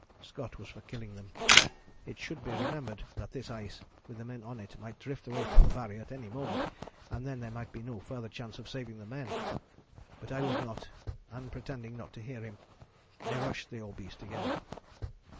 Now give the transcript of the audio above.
Scott was for killing them [it should be remembered that this ice, with the men on it, might drift away from the Barrier at any moment, and then there might be no further chance of saving the men] but I was not, and, pretending not to hear him, I rushed the old beast again.